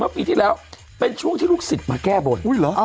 เมื่อปีที่แล้วเป็นช่วงที่ลูกศิษย์มาแก้บนอุ้ยหรออ๋อ